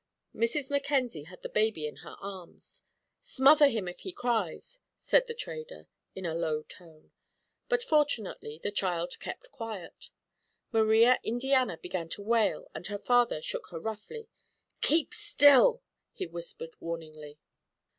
Mrs. Mackenzie had the baby in her arms. "Smother him if he cries," said the trader, in a low tone, but, fortunately, the child kept quiet. Maria Indiana began to wail and her father shook her roughly. "Keep still!" he whispered warningly.